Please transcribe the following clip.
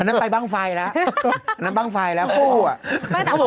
อันนั้นไปบ้างไฟมาหรออันนั้นบ้างไฟมาหรอฟู้ด์อะ